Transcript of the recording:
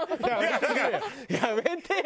やめてよ！